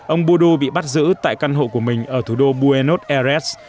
ông budu bị bắt giữ tại căn hộ của mình ở thủ đô buenos ares